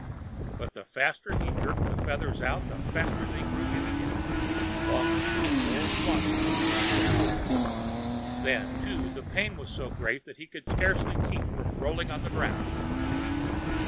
But the faster he jerked the feathers out, the faster they grew in again, longer and more glossy than before. Then, too, the pain was so great that he could scarcely keep from rolling on the ground.